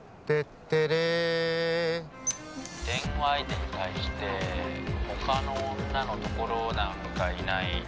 テッテレ電話相手に対して「他の女のところなんかいない」